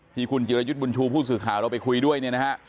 ที่คุณจิรยุทธ์บุญชูผู้สื่อข่าวเราไปคุยด้วยเนี่ยนะฮะ